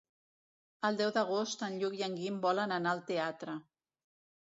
El deu d'agost en Lluc i en Guim volen anar al teatre.